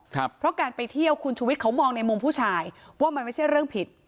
เพราะการไปเที่ยวคุณชุวิตเขามองในมุมผู้ชายว่ามันไม่ใช่เรื่องผิด